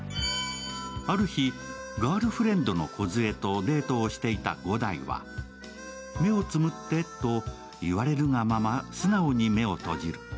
ある日、ガールフレンドのこずえとデートをしていた五代は、目をつむってと言われるがまま、素直に目を閉じる。